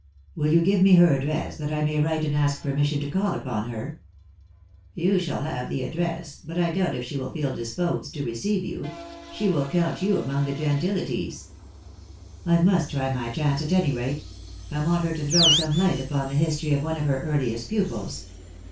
"Will you give me her address, that I may write and ask her permission to call upon her?" "You shall have the address, but I doubt if she will feel disposed to receive you. She will count you among the gentilities." THE DAY WTLL COME. 2_L0, "I must try my chance at any rate. I want her to throw some light upon the history of one of her earliest pupils.